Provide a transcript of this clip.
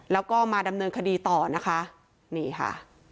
แล้วก็มาดำเนินคดีต่อนะคะนี่ค่ะ